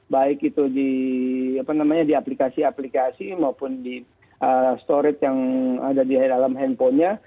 baik itu di aplikasi aplikasi maupun di storage yang ada di dalam handphonenya